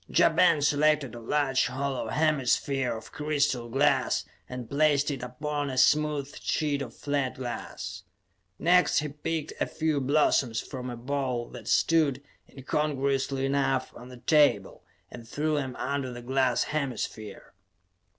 Ja Ben selected a large hollow hemisphere of crystal glass and placed it upon a smooth sheet of flat glass. Next he picked a few blossoms from a bowl that stood, incongruously enough, on the table, and threw them under the glass hemisphere.